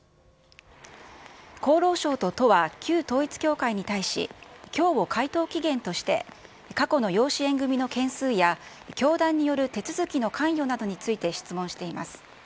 厚労省と都は、旧統一教会に対し、きょうを回答期限として、過去の養子縁組の件数や、教団による手続きの関与などについて質問しています。